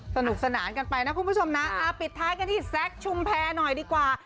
สนุกสนานกันไปนะคุณผู้ชมนะปิดท้ายกันที่แซคชุมแพรหน่อยดีกว่า